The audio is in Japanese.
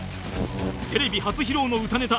テレビ初披露の歌ネタ